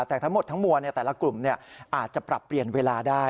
แต่ทั้งหมดทั้งมวลแต่ละกลุ่มอาจจะปรับเปลี่ยนเวลาได้